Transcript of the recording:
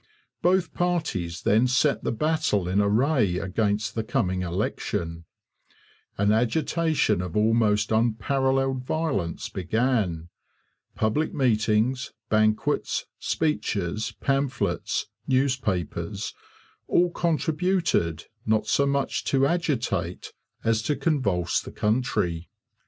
Both parties then set the battle in array against the coming election. An agitation of almost unparalleled violence began. Public meetings, banquets, speeches, pamphlets, newspapers, all contributed not so much to agitate as to convulse the country.